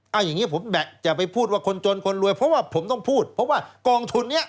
เอาอย่างนี้ผมจะไปพูดว่าคนจนคนรวยเพราะว่าผมต้องพูดเพราะว่ากองทุนนี้